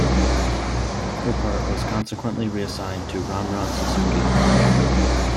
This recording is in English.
Her part was consequently reassigned to Ranran Suzuki.